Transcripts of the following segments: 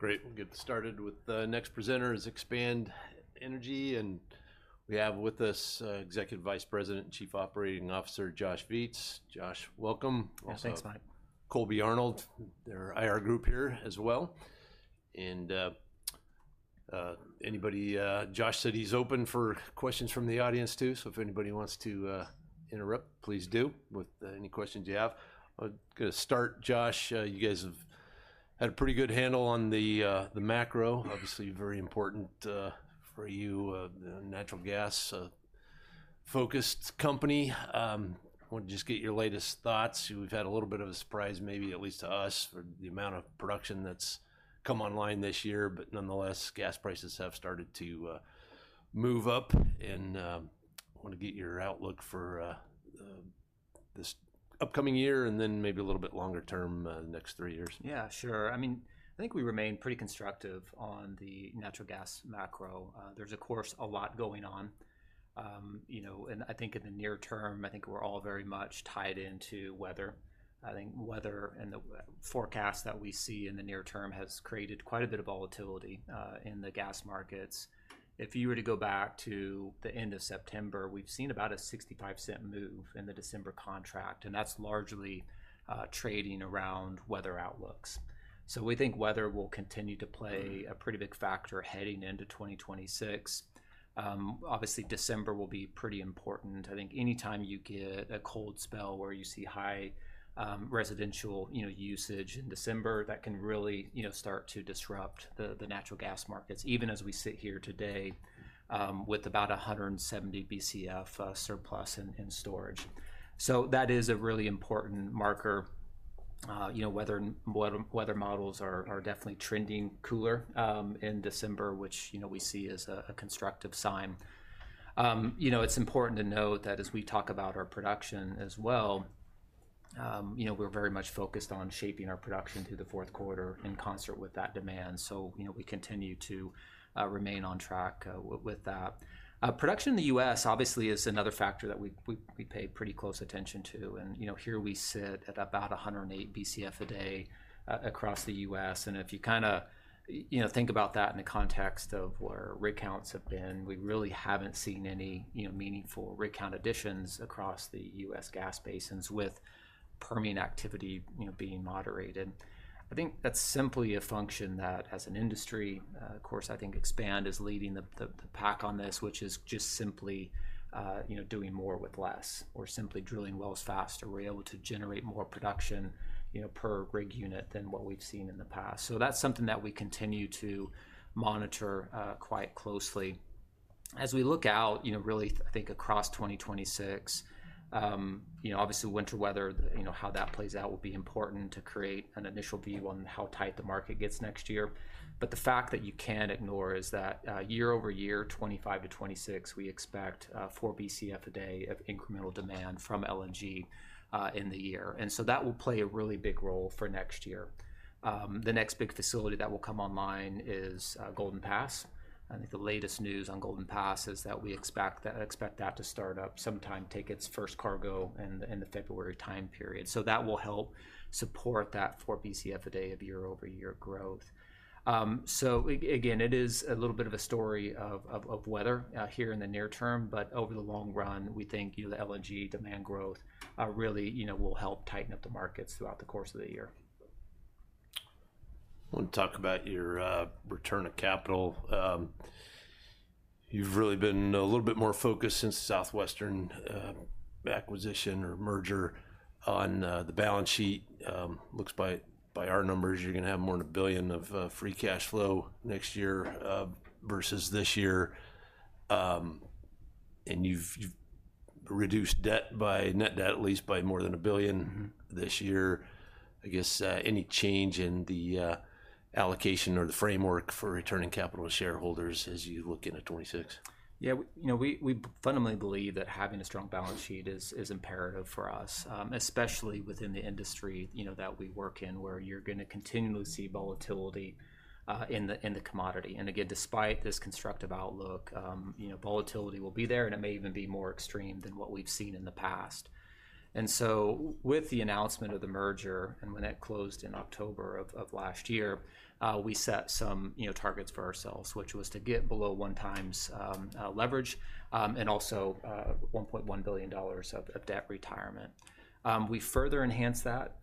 Great. We'll get started with the next presenter is Expand Energy, and we have with us Executive Vice President and Chief Operating Officer Josh Viets. Josh, welcome. Thanks, Mike. Colby Arnold, their IR group here as well. Anybody—Josh said he's open for questions from the audience too, so if anybody wants to interrupt, please do with any questions you have. I'm going to start, Josh. You guys have had a pretty good handle on the macro, obviously very important for you, a Natural Gas-focused company. I want to just get your latest thoughts. We've had a little bit of a surprise, maybe at least to us, for the amount of production that's come online this year, but nonetheless, gas prices have started to move up. I want to get your outlook for this upcoming year and then maybe a little bit longer term, the next three years. Yeah, sure. I mean, I think we remain pretty constructive on the Natural Gas macro. There's, of course, a lot going on. I think in the near term, we're all very much tied into weather. I think weather and the forecast that we see in the near term has created quite a bit of volatility in the gas markets. If you were to go back to the end of September, we've seen about a $0.65 move in the December contract, and that's largely trading around weather outlooks. We think weather will continue to play a pretty big factor heading into 2026. Obviously, December will be pretty important. I think anytime you get a cold spell where you see high residential usage in December, that can really start to disrupt the Natural Gas markets, even as we sit here today with about 170 BCF surplus in storage. That is a really important marker. Weather models are definitely trending cooler in December, which we see as a constructive sign. It's important to note that as we talk about our production as well, we're very much focused on shaping our production through the fourth quarter in concert with that demand. We continue to remain on track with that. Production in the U.S. obviously is another factor that we pay pretty close attention to. Here we sit at about 108 BCF a day across the U.S. If you kind of think about that in the context of where rig counts have been, we really haven't seen any meaningful rig count additions across the U.S. gas basins with permitting activity being moderated. I think that's simply a function that, as an industry, of course, I think Expand is leading the pack on this, which is just simply doing more with less or simply drilling wells faster where you're able to generate more production per rig unit than what we've seen in the past. That's something that we continue to monitor quite closely. As we look out, really, I think across 2026, obviously, winter weather, how that plays out will be important to create an initial view on how tight the market gets next year. The fact that you can't ignore is that year over year, 2025 to 2026, we expect 4 BCF a day of incremental demand from LNG in the year. That will play a really big role for next year. The next big facility that will come online is Golden Pass. I think the latest news on Golden Pass is that we expect that to start up sometime, take its first cargo in the February time period. That will help support that 4 BCF a day of year-over-year growth. Again, it is a little bit of a story of weather here in the near term, but over the long run, we think the LNG demand growth really will help tighten up the markets throughout the course of the year. I want to talk about your return of capital. You've really been a little bit more focused since the Southwestern acquisition or merger on the balance sheet. Looks by our numbers, you're going to have more than $1 billion of free cash flow next year versus this year. And you've reduced debt by net debt at least by more than $1 billion this year. I guess any change in the allocation or the framework for returning capital to shareholders as you look into 2026? Yeah, we fundamentally believe that having a strong balance sheet is imperative for us, especially within the industry that we work in where you're going to continually see volatility in the commodity. Again, despite this constructive outlook, volatility will be there, and it may even be more extreme than what we've seen in the past. With the announcement of the merger and when it closed in October of last year, we set some targets for ourselves, which was to get below one times leverage and also $1.1 billion of debt retirement. We further enhanced that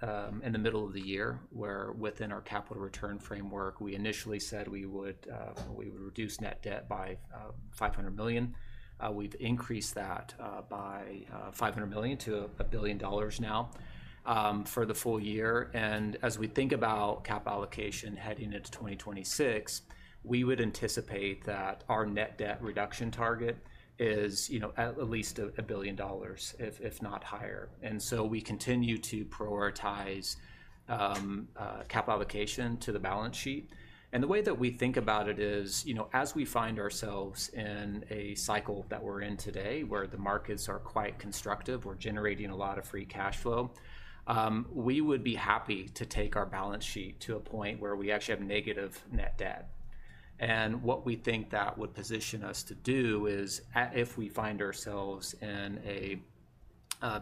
in the middle of the year where within our capital return framework, we initially said we would reduce net debt by $500 million. We've increased that by $500 million to $1 billion now for the full year. As we think about Capital Allocation heading into 2026, we would anticipate that our net debt reduction target is at least $1 billion, if not higher. We continue to prioritize Capital Allocation to the balance sheet. The way that we think about it is as we find ourselves in a cycle that we are in today where the markets are quite constructive, we are generating a lot of free cash flow, we would be happy to take our balance sheet to a point where we actually have negative net debt. What we think that would position us to do is if we find ourselves in a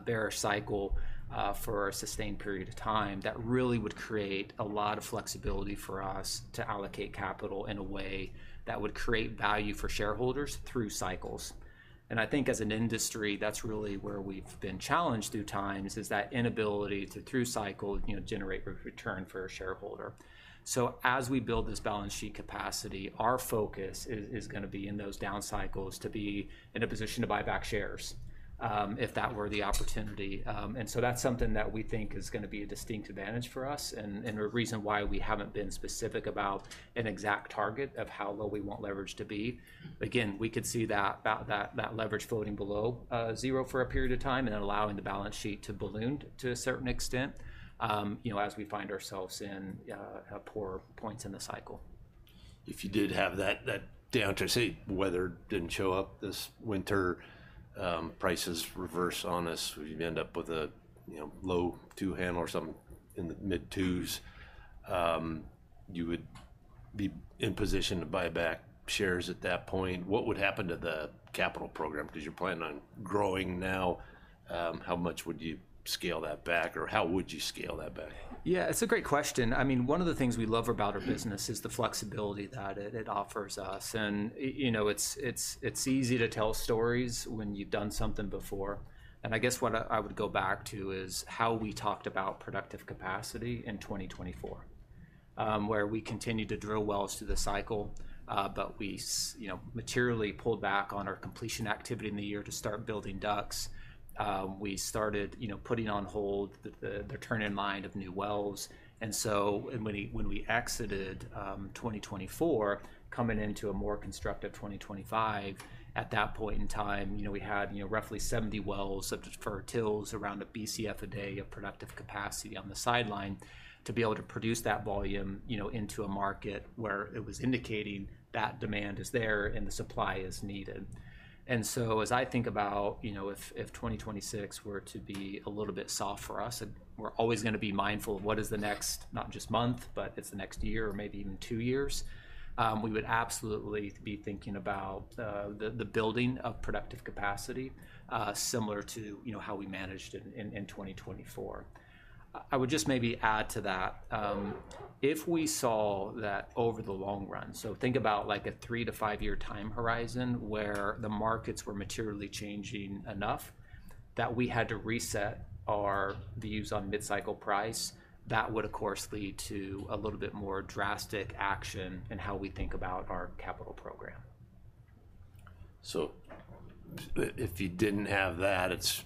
bearish cycle for a sustained period of time, that really would create a lot of flexibility for us to allocate capital in a way that would create value for shareholders through cycles. I think as an industry, that's really where we've been challenged through times is that inability to, through cycle, generate return for a shareholder. As we build this balance sheet capacity, our focus is going to be in those down cycles to be in a position to buy back shares if that were the opportunity. That is something that we think is going to be a distinct advantage for us and a reason why we haven't been specific about an exact target of how low we want leverage to be. Again, we could see that leverage floating below zero for a period of time and then allowing the balance sheet to balloon to a certain extent as we find ourselves in poor points in the cycle. If you did have that downturn, say weather didn't show up this winter, prices reverse on us, we'd end up with a low two handle or something in the mid-twos, you would be in position to buy back shares at that point. What would happen to the capital program? Because you're planning on growing now, how much would you scale that back or how would you scale that back? Yeah, it's a great question. I mean, one of the things we love about our business is the flexibility that it offers us. It's easy to tell stories when you've done something before. I guess what I would go back to is how we talked about Productive Capacity in 2024, where we continued to drill wells through the cycle, but we materially pulled back on our Completion Activity in the year to start building ducks. We started putting on hold the turn in line of new wells. When we exited 2024, coming into a more constructive 2025, at that point in time, we had roughly 70 wells for TILs, around a BCF a day of Productive Capacity on the sideline to be able to produce that volume into a market where it was indicating that demand is there and the supply is needed. As I think about if 2026 were to be a little bit soft for us, we're always going to be mindful of what is the next, not just month, but it's the next year or maybe even two years. We would absolutely be thinking about the building of Productive Capacity similar to how we managed in 2024. I would just maybe add to that, if we saw that over the long run, so think about like a three to five-year time horizon where the markets were materially changing enough that we had to reset our views on Mid-Cycle Price, that would, of course, lead to a little bit more drastic action in how we think about our capital program. If you didn't have that, it's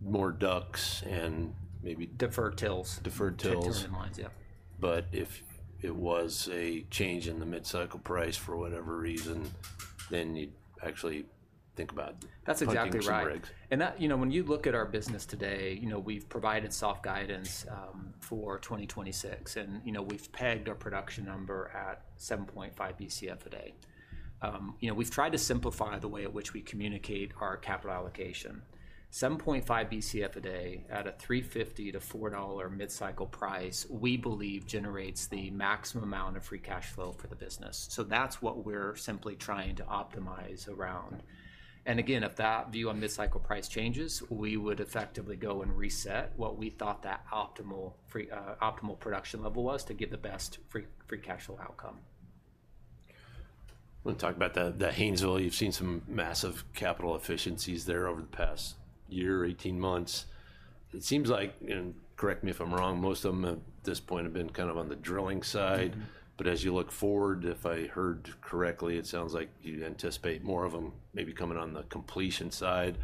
more ducks and maybe. Deferred tills. Deferred tills. TILs in lines, yeah. If it was a change in the Mid-Cycle Price for whatever reason, then you'd actually think about. That's exactly right. When you look at our business today, we've provided soft guidance for 2026, and we've pegged our production number at 7.5 BCF a day. We've tried to simplify the way in which we communicate our Capital Allocation. 7.5 BCF a day at a $3.50-$4 Mid-Cycle Price, we believe generates the maximum amount of free cash flow for the business. That's what we're simply trying to optimize around. If that view on Mid-Cycle Price changes, we would effectively go and reset what we thought that optimal production level was to get the best free cash flow outcome. We'll talk about that. The Haynesville, you've seen some massive capital efficiencies there over the past year, 18 months. It seems like, and correct me if I'm wrong, most of them at this point have been kind of on the drilling side. As you look forward, if I heard correctly, it sounds like you anticipate more of them maybe coming on the completion side.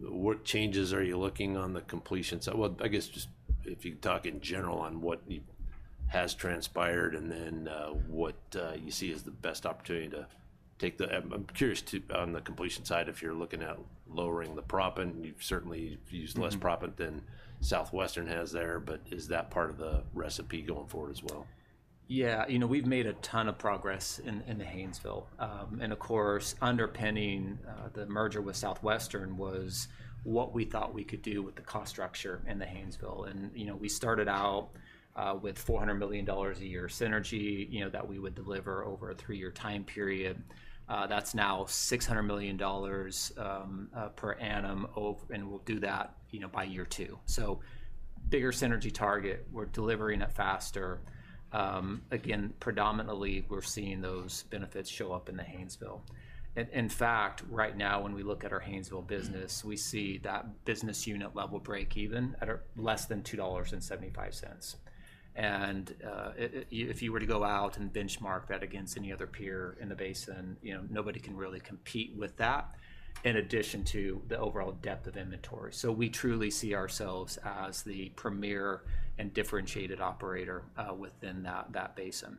What changes are you looking on the completion side? I guess just if you can talk in general on what has transpired and then what you see as the best opportunity to take the—I'm curious on the completion side, if you're looking at lowering the prop, and you've certainly used less prop than Southwestern has there, but is that part of the recipe going forward as well? Yeah, we've made a ton of progress in the Haynesville. Of course, underpinning the merger with Southwestern was what we thought we could do with the cost structure in the Haynesville. We started out with $400 million a year synergy that we would deliver over a three-year time period. That's now $600 million per annum, and we'll do that by year two. Bigger synergy target, we're delivering it faster. Again, predominantly, we're seeing those benefits show up in the Haynesville. In fact, right now, when we look at our Haynesville business, we see that business unit level break even at less than $2.75. If you were to go out and benchmark that against any other peer in the basin, nobody can really compete with that in addition to the overall depth of inventory. We truly see ourselves as the premier and differentiated operator within that basin.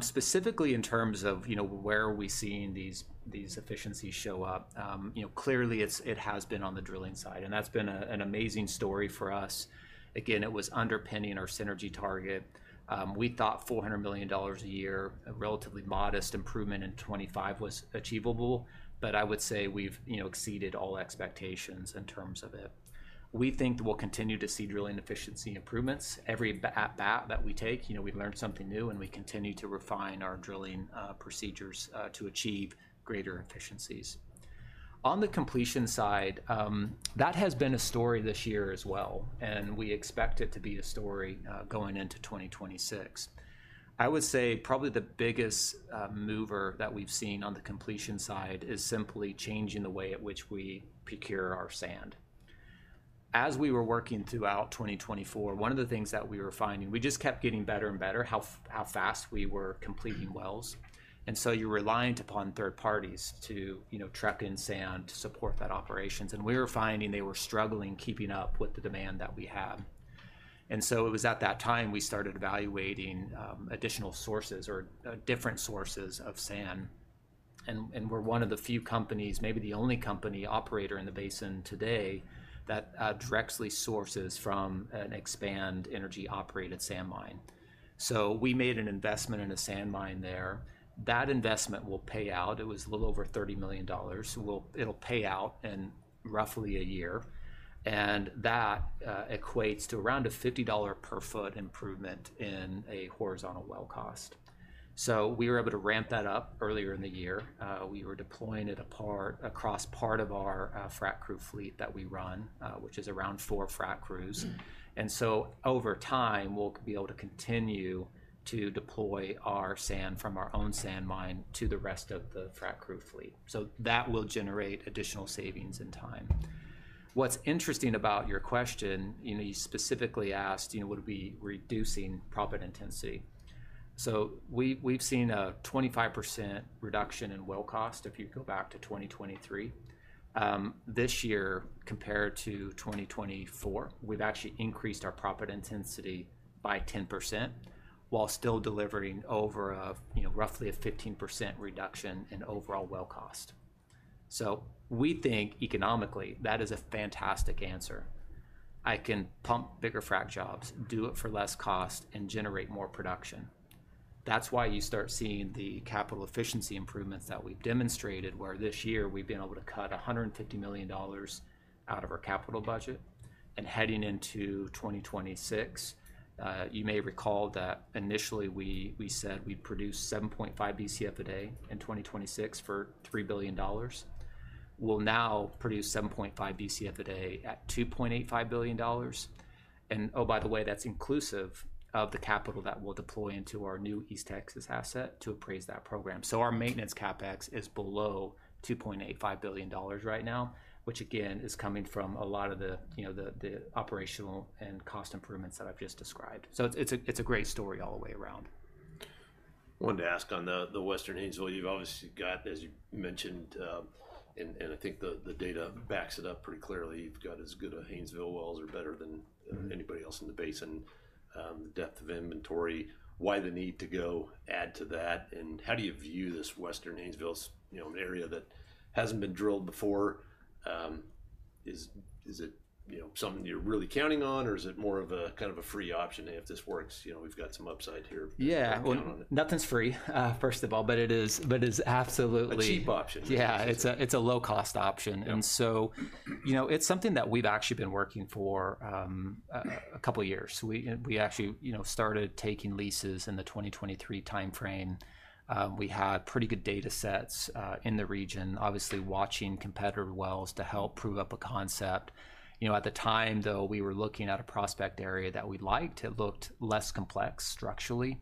Specifically in terms of where are we seeing these efficiencies show up, clearly it has been on the drilling side. That has been an amazing story for us. Again, it was underpinning our synergy target. We thought $400 million a year, a relatively modest improvement in 2025 was achievable, but I would say we have exceeded all expectations in terms of it. We think we will continue to see Drilling Efficiency improvements. Every bat that we take, we learn something new, and we continue to refine our drilling procedures to achieve greater efficiencies. On the completion side, that has been a story this year as well, and we expect it to be a story going into 2026. I would say probably the biggest mover that we've seen on the completion side is simply changing the way at which we procure our sand. As we were working throughout 2024, one of the things that we were finding, we just kept getting better and better how fast we were completing wells. You are reliant upon third parties to truck in sand to support that operations. We were finding they were struggling keeping up with the demand that we have. It was at that time we started evaluating additional sources or different sources of sand. We are one of the few companies, maybe the only company operator in the basin today that directly sources from an Expand Energy operated sand mine. We made an investment in a sand mine there. That investment will pay out. It was a little over $30 million. It'll pay out in roughly a year. That equates to around a $50 per foot improvement in a horizontal well cost. We were able to ramp that up earlier in the year. We were deploying it across part of our frac crew fleet that we run, which is around four frac crews. Over time, we'll be able to continue to deploy our sand from our own sand mine to the rest of the frac crew fleet. That will generate additional savings in time. What's interesting about your question, you specifically asked, would we be reducing Proppant Intensity? We've seen a 25% reduction in well cost if you go back to 2023. This year, compared to 2024, we've actually increased our Proppant Intensity by 10% while still delivering over roughly a 15% reduction in overall well cost. We think economically that is a fantastic answer. I can pump bigger frac jobs, do it for less cost, and generate more production. That's why you start seeing the Capital Efficiency improvements that we've demonstrated, where this year we've been able to cut $150 million out of our capital budget. Heading into 2026, you may recall that initially we said we'd produce 7.5 BCF a day in 2026 for $3 billion. We'll now produce 7.5 BCF a day at $2.85 billion. Oh, by the way, that's inclusive of the capital that we'll deploy into our new East Texas asset to appraise that program. Our maintenance CapEx is below $2.85 billion right now, which again is coming from a lot of the operational and cost improvements that I've just described. It's a great story all the way around. I wanted to ask on the Western Haynesville, you've obviously got, as you mentioned, and I think the data backs it up pretty clearly, you've got as good a Haynesville wells or better than anybody else in the basin, depth of inventory. Why the need to go add to that? How do you view this Western Haynesville, an area that hasn't been drilled before? Is it something you're really counting on, or is it more of a kind of a free option? If this works, we've got some upside here. Yeah, well, nothing's free, first of all, but it is absolutely. A cheap option. Yeah, it's a low-cost option. It's something that we've actually been working for a couple of years. We actually started taking leases in the 2023 timeframe. We had pretty good data sets in the region, obviously watching competitor wells to help prove up a concept. At the time, we were looking at a prospect area that we liked. It looked less complex structurally,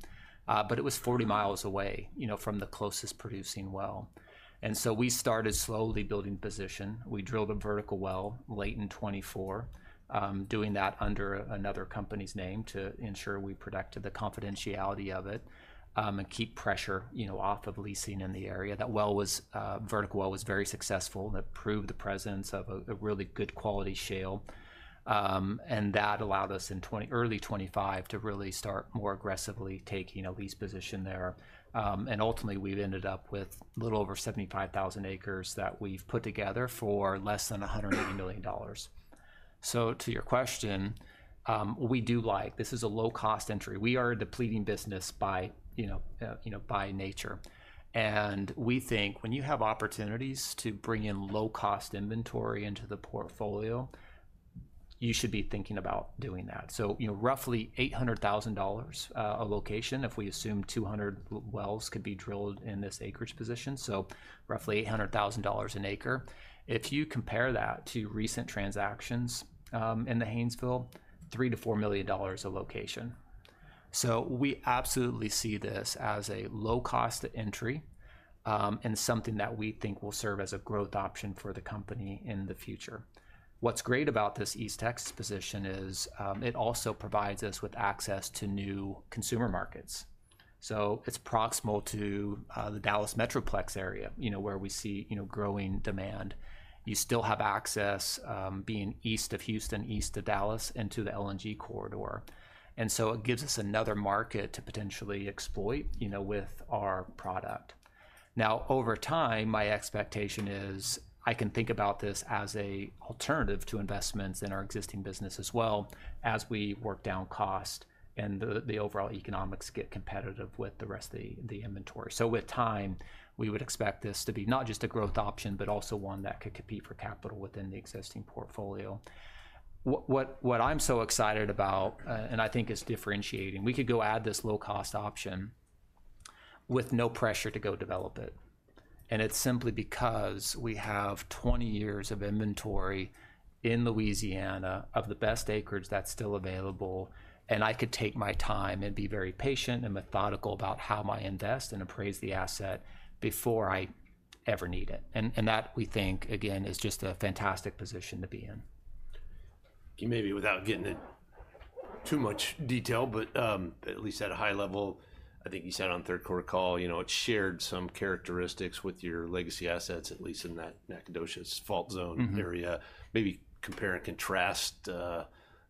but it was 40 miles away from the closest producing well. We started slowly building position. We drilled a vertical well late in 2024, doing that under another company's name to ensure we protected the confidentiality of it and keep pressure off of leasing in the area. That vertical well was very successful. It proved the presence of a really good quality shale. That allowed us in early 2025 to really start more aggressively taking a lease position there. Ultimately, we've ended up with a little over 75,000 acres that we've put together for less than $180 million. To your question, we do like this is a low-cost entry. We are a depleting business by nature. We think when you have opportunities to bring in low-cost inventory into the portfolio, you should be thinking about doing that. Roughly $800,000 a location if we assume 200 wells could be drilled in this acreage position. Roughly $800,000 an acre. If you compare that to recent transactions in the Haynesville, $3 million-$4 million a location. We absolutely see this as a low-cost entry and something that we think will serve as a growth option for the company in the future. What's great about this East Texas position is it also provides us with access to new consumer markets. It is proximal to the Dallas Metroplex area where we see growing demand. You still have access being east of Houston, east of Dallas into the LNG corridor. It gives us another market to potentially exploit with our product. Over time, my expectation is I can think about this as an alternative to investments in our existing business as well as we work down cost and the overall economics get competitive with the rest of the inventory. With time, we would expect this to be not just a growth option, but also one that could compete for capital within the existing portfolio. What I am so excited about, and I think is differentiating, we could go add this low-cost option with no pressure to go develop it. It is simply because we have 20 years of inventory in Louisiana of the best acreage that is still available. I could take my time and be very patient and methodical about how I invest and appraise the asset before I ever need it. That, we think, again, is just a fantastic position to be in. Maybe without getting into too much detail, but at least at a high level, I think you said on third quarter call, it shared some characteristics with your legacy assets, at least in that Nacogdoches Fault Zone area. Maybe compare and contrast the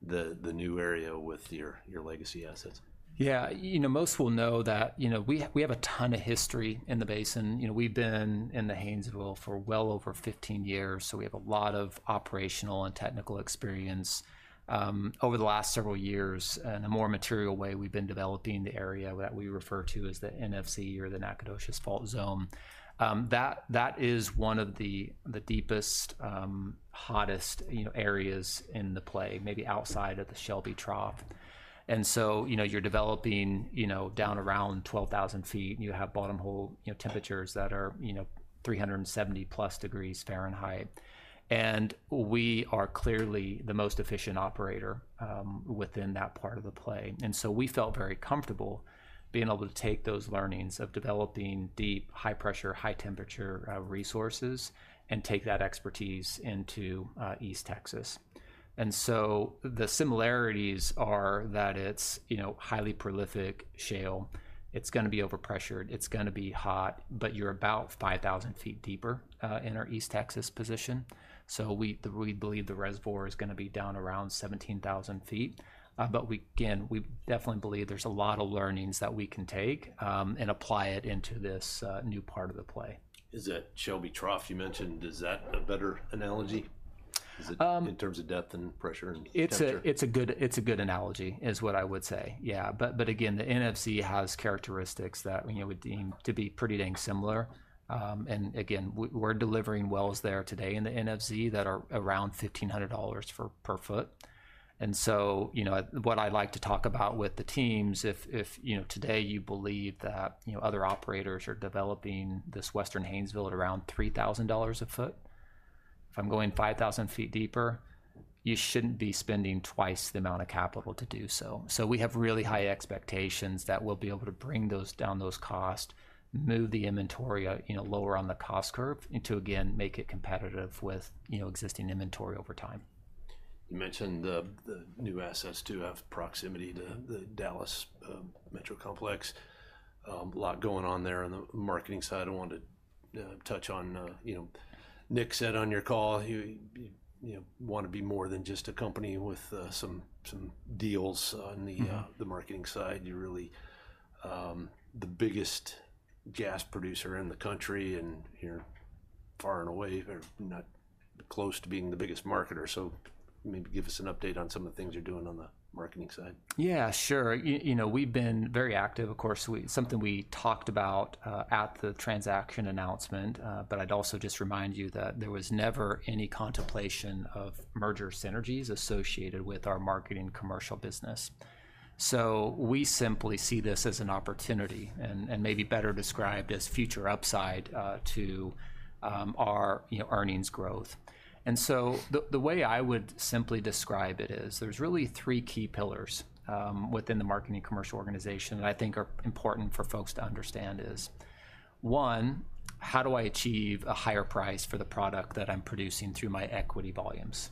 new area with your legacy assets. Yeah, most will know that we have a ton of history in the basin. We've been in the Haynesville for well over 15 years. We have a lot of operational and technical experience. Over the last several years, in a more material way, we've been developing the area that we refer to as the NFC or the Nacogdoches Fault Zone. That is one of the deepest, hottest areas in the play, maybe outside of the Shelby Trough. You're developing down around 12,000 ft, and you have bottom hole temperatures that are 370 plus degrees Fahrenheit. We are clearly the most efficient operator within that part of the play. We felt very comfortable being able to take those learnings of developing deep, high pressure, high temperature resources and take that expertise into East Texas. The similarities are that it's highly prolific shale. It's going to be overpressured. It's going to be hot, but you're about 5,000 ft deeper in our East Texas position. We believe the reservoir is going to be down around 17,000 ft. Again, we definitely believe there's a lot of learnings that we can take and apply it into this new part of the play. Is that Shelby Trough you mentioned, is that a better analogy in terms of depth and pressure and temperature? It's a good analogy is what I would say. Yeah. Again, the NFC has characteristics that we deem to be pretty dang similar. Again, we're delivering wells there today in the NFC that are around $1,500 per ft. What I like to talk about with the teams, if today you believe that other operators are developing this Western Haynesville at around $3,000 a foot, if I'm going 5,000 ft deeper, you shouldn't be spending twice the amount of capital to do so. We have really high expectations that we'll be able to bring down those costs, move the inventory lower on the cost curve, and make it competitive with existing inventory over time. You mentioned the new assets do have proximity to the Dallas Metroplex. A lot going on there on the marketing side. I wanted to touch on what Nick said on your call, you want to be more than just a company with some deals on the marketing side. You're really the biggest gas producer in the country, and you're far and away or not close to being the biggest marketer. Maybe give us an update on some of the things you're doing on the marketing side. Yeah, sure. We've been very active. Of course, something we talked about at the transaction announcement, but I'd also just remind you that there was never any contemplation of merger synergies associated with our marketing commercial business. We simply see this as an opportunity and maybe better described as future upside to our earnings growth. The way I would simply describe it is there's really three key pillars within the marketing commercial organization that I think are important for folks to understand is one, how do I achieve a higher price for the product that I'm producing through my equity volumes?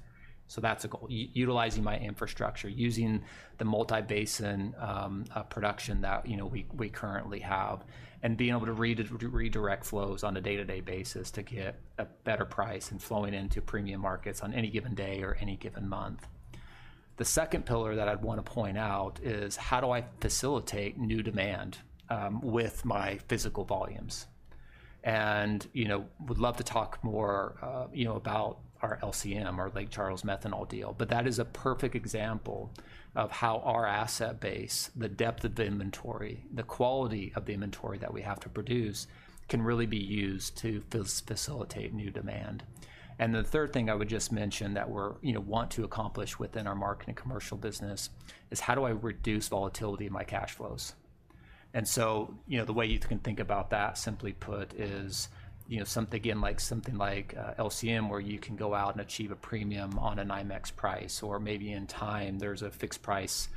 That's a goal. Utilizing my infrastructure, using the multi-basin production that we currently have, and being able to redirect flows on a day-to-day basis to get a better price and flowing into premium markets on any given day or any given month. The second pillar that I'd want to point out is how do I facilitate new demand with my physical volumes? I would love to talk more about our LCM, our Lake Charles Methanol deal, but that is a perfect example of how our asset base, the depth of the inventory, the quality of the inventory that we have to produce can really be used to facilitate new demand. The third thing I would just mention that we want to accomplish within our marketing commercial business is how do I reduce volatility in my cash flows? The way you can think about that simply put is something like LCM where you can go out and achieve a premium on a NYMEX price, or maybe in time there's a fixed price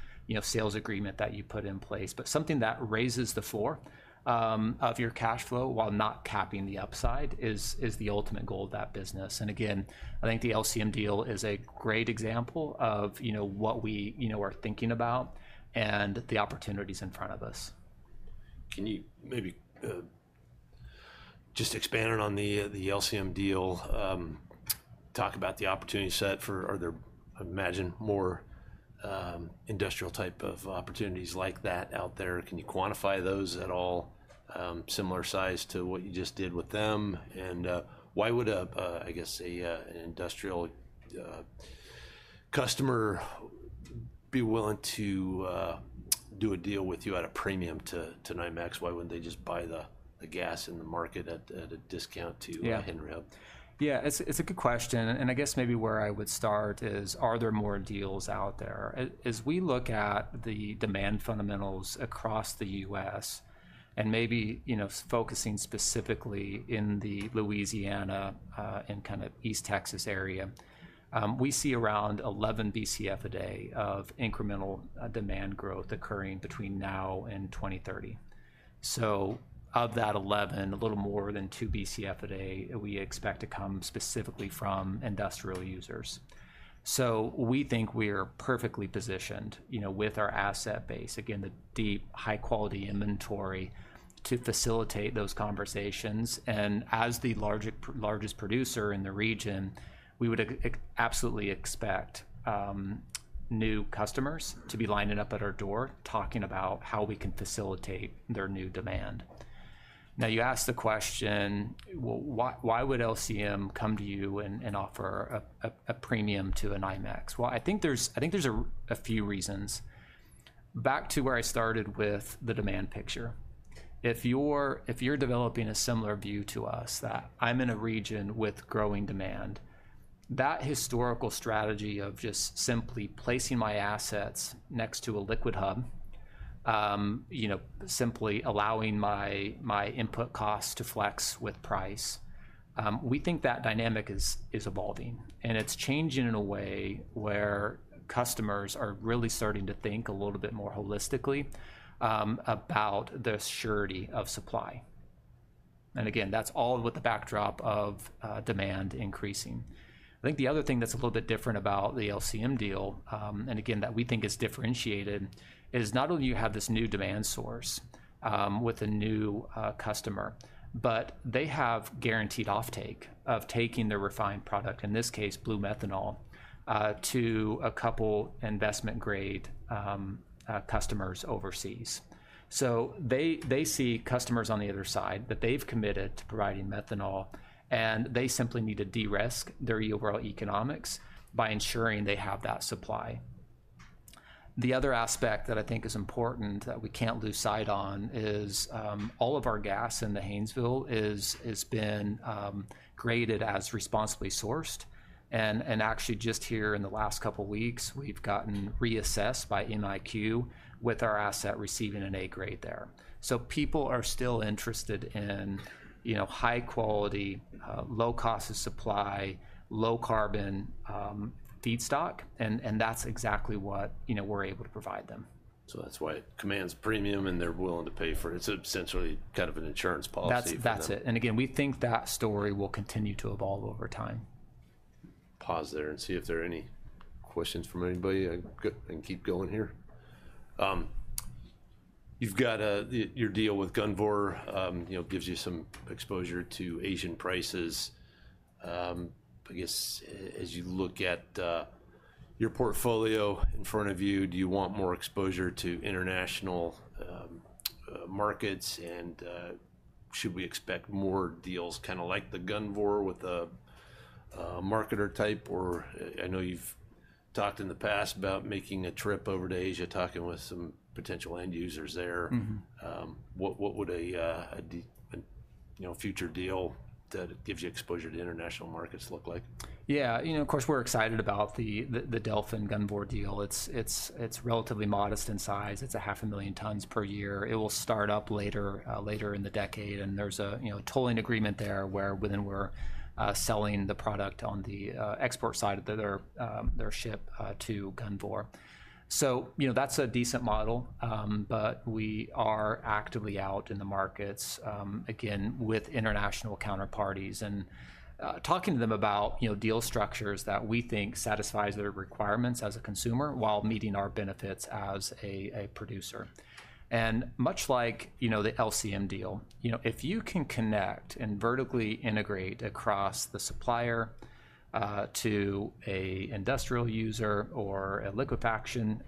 sales agreement that you put in place. Something that raises the floor of your cash flow while not capping the upside is the ultimate goal of that business. Again, I think the LCM deal is a great example of what we are thinking about and the opportunities in front of us. Can you maybe just expand on the LCM deal, talk about the opportunity set for, I imagine, more industrial type of opportunities like that out there? Can you quantify those at all, similar size to what you just did with them? Why would, I guess, an industrial customer be willing to do a deal with you at a premium to NYMEX? Why would they not just buy the gas in the market at a discount to Henry Hub? Yeah, it's a good question. I guess maybe where I would start is, are there more deals out there? As we look at the demand fundamentals across the U.S., and maybe focusing specifically in the Louisiana and kind of East Texas area, we see around 11 BCF a day of incremental demand growth occurring between now and 2030. Of that 11, a little more than 2 BCF a day we expect to come specifically from industrial users. We think we are perfectly positioned with our asset base, again, the deep, high-quality inventory to facilitate those conversations. As the largest producer in the region, we would absolutely expect new customers to be lining up at our door talking about how we can facilitate their new demand. You asked the question, why would LCM come to you and offer a premium to an NYMEX?I think there's a few reasons. Back to where I started with the demand picture. If you're developing a similar view to us that I'm in a region with growing demand, that historical strategy of just simply placing my assets next to a liquid hub, simply allowing my input costs to flex with price, we think that dynamic is evolving. It's changing in a way where customers are really starting to think a little bit more holistically about the surety of supply. Again, that's all with the backdrop of demand increasing. I think the other thing that's a little bit different about the LCM deal, and again, that we think is differentiated, is not only do you have this new demand source with a new customer, but they have guaranteed offtake of taking their refined product, in this case, Blue methanol, to a couple investment-grade customers overseas. They see customers on the other side that they've committed to providing methanol, and they simply need to de-risk their overall economics by ensuring they have that supply. The other aspect that I think is important that we can't lose sight on is all of our gas in the Haynesville has been graded as responsibly sourced. Actually, just here in the last couple of weeks, we've gotten reassessed by MIQ with our asset receiving an A grade there. People are still interested in high quality, low cost of supply, low carbon feedstock. That's exactly what we're able to provide them. That's why it commands premium and they're willing to pay for it. It's essentially kind of an insurance policy. That's it. Again, we think that story will continue to evolve over time. Pause there and see if there are any questions from anybody. I can keep going here. You've got your deal with Gunvor gives you some exposure to Asian prices. I guess as you look at your portfolio in front of you, do you want more exposure to international markets? Should we expect more deals kind of like the Gunvor with a marketer type? I know you've talked in the past about making a trip over to Asia, talking with some potential end users there. What would a future deal that gives you exposure to international markets look like? Yeah, of course, we're excited about the Delfin Gunvor deal. It's relatively modest in size. It's 500,000 tons per year. It will start up later in the decade. There's a tolling agreement there wherein we're selling the product on the export side of their ship to Gunvor. That's a decent model, but we are actively out in the markets, again, with international counterparties and talking to them about deal structures that we think satisfy their requirements as a consumer while meeting our benefits as a producer. Much like the LCM deal, if you can connect and vertically integrate across the supplier to an industrial user or a liquefaction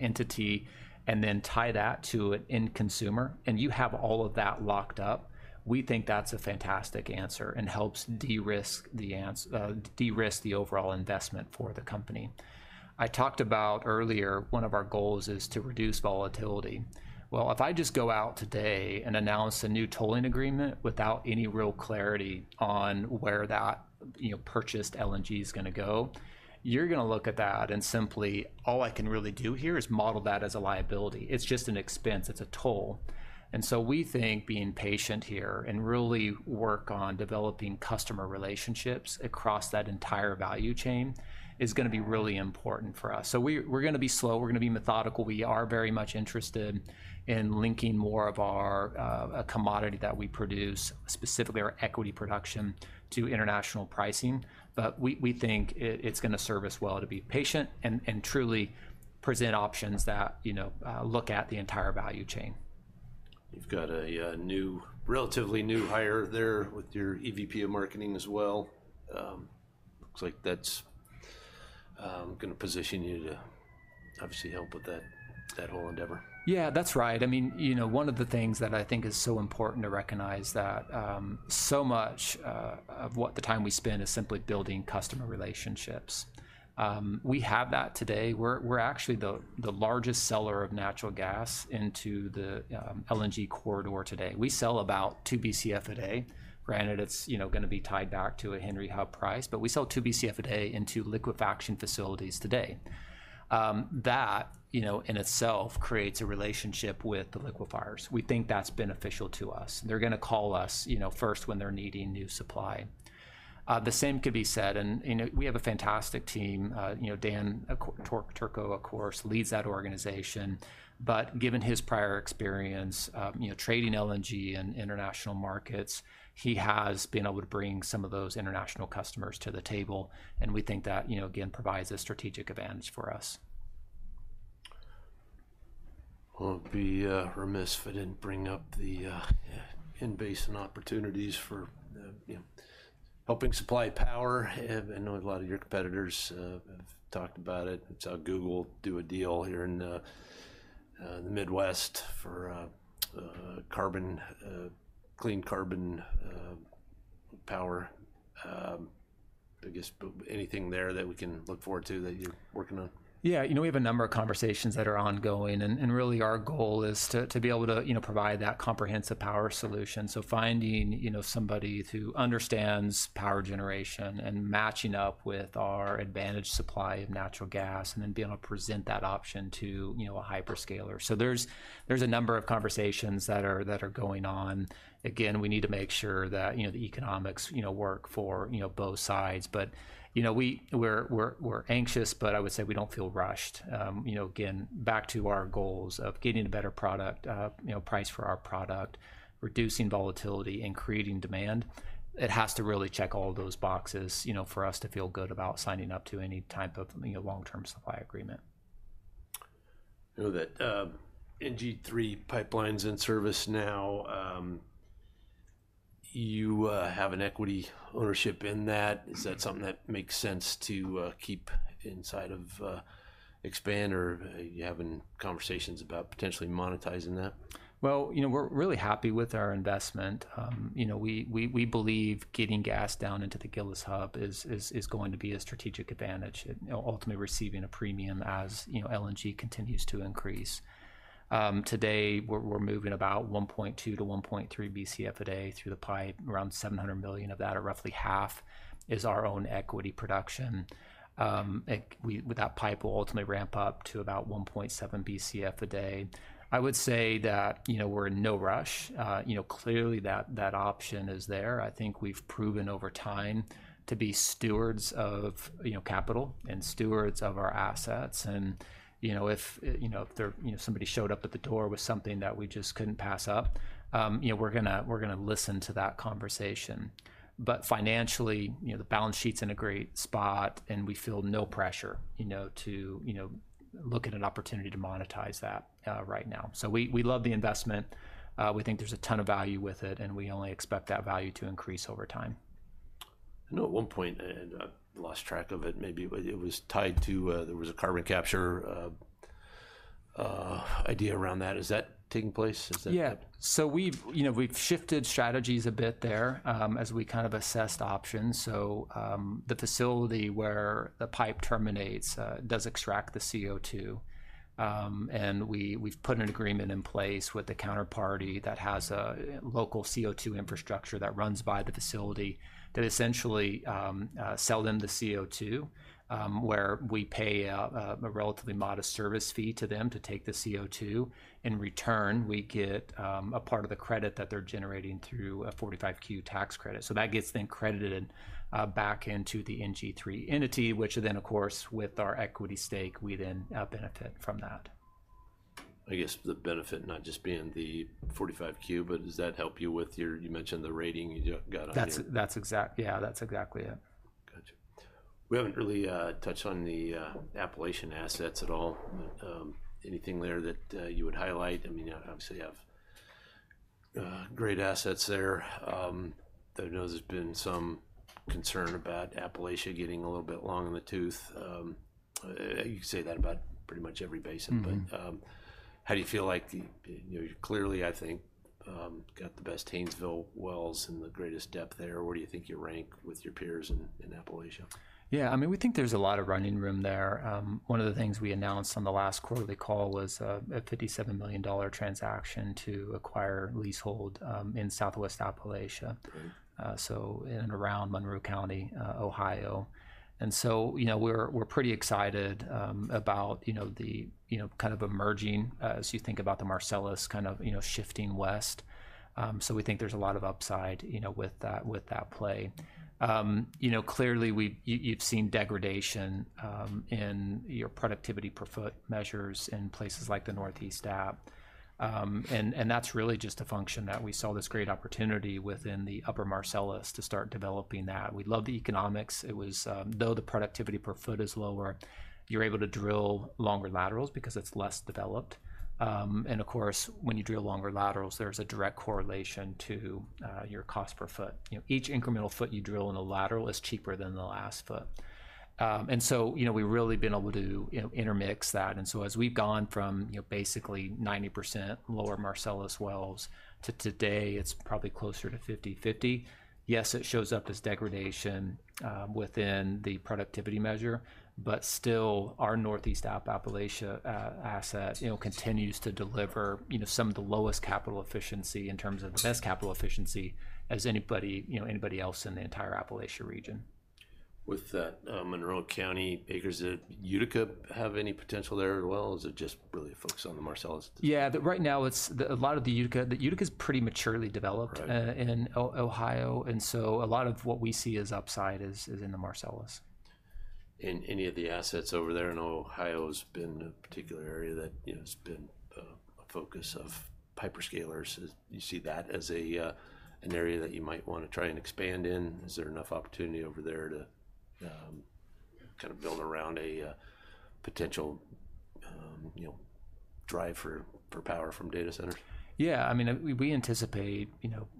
entity and then tie that to an end consumer, and you have all of that locked up, we think that's a fantastic answer and helps de-risk the overall investment for the company. I talked about earlier, one of our goals is to reduce volatility. If I just go out today and announce a new tolling agreement without any real clarity on where that purchased LNG is going to go, you're going to look at that and simply, all I can really do here is model that as a liability. It's just an expense. It's a toll. We think being patient here and really work on developing customer relationships across that entire value chain is going to be really important for us. We are going to be slow. We are going to be methodical. We are very much interested in linking more of our commodity that we produce, specifically our equity production, to international pricing. We think it's going to serve us well to be patient and truly present options that look at the entire value chain. You've got a relatively new hire there with your EVP of Marketing as well. Looks like that's going to position you to obviously help with that whole endeavor. Yeah, that's right. I mean, one of the things that I think is so important to recognize is that so much of the time we spend is simply building customer relationships. We have that today. We're actually the largest seller of Natural Gas into the LNG corridor today. We sell about 2 BCF a day. Granted, it's going to be tied back to a Henry Hub price, but we sell 2 BCF a day into liquefaction facilities today. That in itself creates a relationship with the liquefiers. We think that's beneficial to us. They're going to call us first when they're needing new supply. The same could be said. We have a fantastic team. Dan Turco, of course, leads that organization. Given his prior experience trading LNG in international markets, he has been able to bring some of those international customers to the table. We think that, again, provides a strategic advantage for us. I'll be remiss if I didn't bring up the inbasin opportunities for helping supply power. I know a lot of your competitors have talked about it. You saw Google do a deal here in the Midwest for clean carbon power. I guess anything there that we can look forward to that you're working on? Yeah, we have a number of conversations that are ongoing. Really, our goal is to be able to provide that comprehensive power solution. Finding somebody who understands power generation and matching up with our advantaged supply of Natural Gas and then being able to present that option to a hyperscaler. There are a number of conversations that are going on. Again, we need to make sure that the economics work for both sides. We are anxious, but I would say we do not feel rushed. Again, back to our goals of getting a better price for our product, reducing volatility, and creating demand. It has to really check all those boxes for us to feel good about signing up to any type of long-term supply agreement. I know that NG3 Pipeline is in service now. You have an equity ownership in that. Is that something that makes sense to keep inside of Expand? Or are you having conversations about potentially monetizing that? We're really happy with our investment. We believe getting gas down into the Gillis hub is going to be a strategic advantage, ultimately receiving a premium as LNG continues to increase. Today, we're moving about 1.2-1.3 BCF a day through the pipe. Around 700 million of that, or roughly half, is our own equity production. That pipe will ultimately ramp up to about 1.7 BCF a day. I would say that we're in no rush. Clearly, that option is there. I think we've proven over time to be stewards of capital and stewards of our assets. If somebody showed up at the door with something that we just couldn't pass up, we're going to listen to that conversation. Financially, the balance sheet's in a great spot, and we feel no pressure to look at an opportunity to monetize that right now. We love the investment. We think there's a ton of value with it, and we only expect that value to increase over time. I know at one point, and I lost track of it, maybe it was tied to there was a carbon capture idea around that. Is that taking place? Yeah. We have shifted strategies a bit there as we kind of assessed options. The facility where the pipe terminates does extract the CO2. We have put an agreement in place with the counterparty that has a local CO2 infrastructure that runs by the facility that essentially sells them the CO2, where we pay a relatively modest service fee to them to take the CO2. In return, we get a part of the credit that they are generating through a 45Q tax credit. That gets then credited back into the NG3 entity, which then, of course, with our equity stake, we then benefit from that. I guess the benefit not just being the 45Q, but does that help you with your, you mentioned the rating. That's exactly, yeah, that's exactly it. Gotcha. We haven't really touched on the Appalachian assets at all. Anything there that you would highlight? I mean, obviously, you have great assets there. I know there's been some concern about Appalachia getting a little bit long in the tooth. You can say that about pretty much every basin. How do you feel like you clearly, I think, got the best Haynesville wells and the greatest depth there? Where do you think you rank with your peers in Appalachia? Yeah, I mean, we think there's a lot of running room there. One of the things we announced on the last quarterly call was a $57 million transaction to acquire leasehold in Southwest Appalachia, so in and around Monroe County, Ohio. We are pretty excited about the kind of emerging, as you think about the Marcellus kind of shifting west. We think there's a lot of upside with that play. Clearly, you've seen degradation in your productivity per foot measures in places like the Northeast app. That's really just a function that we saw this great opportunity within the upper Marcellus to start developing that. We love the economics. Though the productivity per foot is lower, you're able to drill longer laterals because it's less developed. Of course, when you drill longer laterals, there's a direct correlation to your cost per foot. Each incremental foot you drill in a lateral is cheaper than the last foot. We've really been able to intermix that. As we've gone from basically 90% lower Marcellus wells to today, it's probably closer to 50/50. Yes, it shows up as degradation within the productivity measure, but still our Northeast Appalachia asset continues to deliver some of the lowest Capital Efficiency in terms of the best Capital Efficiency as anybody else in the entire Appalachia region. With that, Monroe County, Bakersfield, Utica, have any potential there as well? Or is it just really focused on the Marcellus? Yeah, right now, a lot of the Utica is pretty maturely developed in Ohio. And so a lot of what we see as upside is in the Marcellus. Any of the assets over there in Ohio has been a particular area that has been a focus of hyperscalers. You see that as an area that you might want to try and expand in? Is there enough opportunity over there to kind of build around a potential drive for power from data centers? Yeah, I mean, we anticipate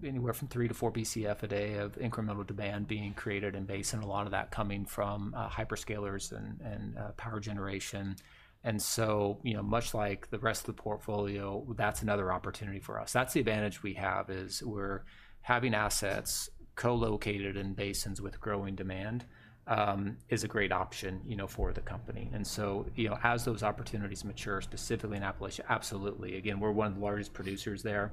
anywhere from 3-4 BCF a day of incremental demand being created in basin, a lot of that coming from hyperscalers and power generation. Much like the rest of the portfolio, that's another opportunity for us. The advantage we have is we're having assets co-located in basins with growing demand is a great option for the company. As those opportunities mature, specifically in Appalachia, absolutely. Again, we're one of the largest producers there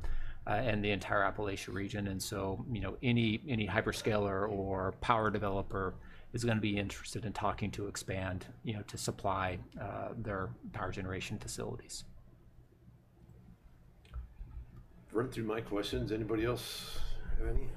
in the entire Appalachia region. Any hyperscaler or power developer is going to be interested in talking to Expand to supply their power generation facilities. Run through my questions. Anybody else have any?